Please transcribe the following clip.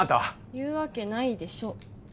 言うわけないでしょ